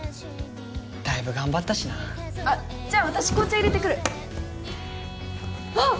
だいぶ頑張ったしなあっじゃあ私紅茶入れてくるあっ！